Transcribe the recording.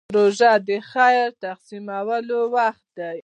روژه د خیر تقسیمولو وخت دی.